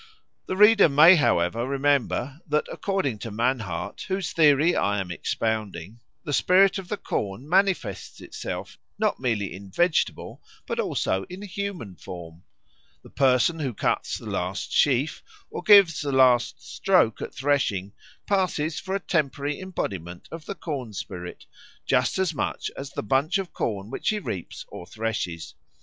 The reader may, however, remember that according to Mannhardt, whose theory I am expounding, the spirit of the corn manifests itself not merely in vegetable but also in human form; the person who cuts the last sheaf or gives the last stroke at threshing passes for a temporary embodiment of the corn spirit, just as much as the bunch of corn which he reaps or threshes.